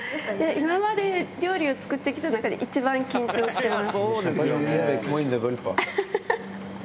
今まで料理を作ってきた中で、一番緊張してます。